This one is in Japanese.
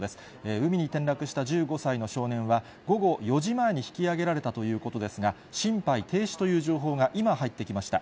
海に転落した１５歳の少年は、午後４時前に引き上げられたということですが、心肺停止という情報が今、入ってきました。